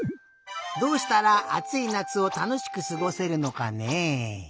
どうしたらあついなつをたのしくすごせるのかね。